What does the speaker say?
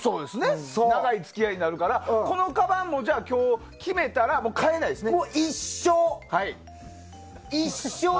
長い付き合いになるからこのカバンも今日、決めたら変えないですね。